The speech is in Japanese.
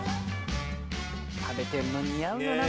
食べてんの似合うよな